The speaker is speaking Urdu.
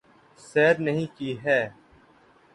سیر نہیں کی ہے